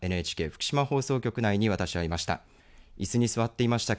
ＮＨＫ福島放送局内に私はいました。